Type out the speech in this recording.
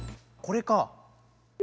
これか。